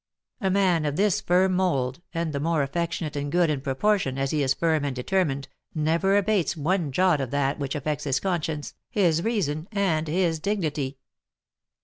A man of this firm mould, and the more affectionate and good in proportion as he is firm and determined, never abates one jot of that which affects his conscience, his reason, and his dignity.